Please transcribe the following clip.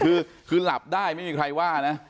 คือหลับได้ไม่มีใครว่านะ